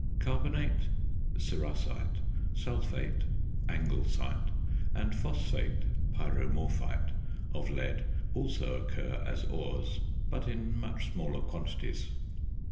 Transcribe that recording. Carbonate (cerussite), sulphate (anglesite), and phosphate (pyromorphite) of lead also occur as ores, but in much smaller quantities.